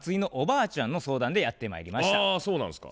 あそうなんですか。